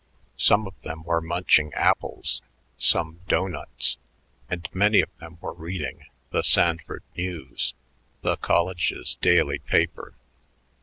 Some of them were munching apples, some doughnuts, and many of them were reading "The Sanford News," the college's daily paper.